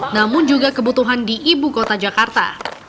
namun juga kebutuhan di ibu kota jakarta